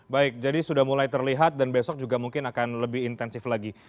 baik jadi sudah mulai terlihat dan besok juga mungkin akan lebih intensif lagi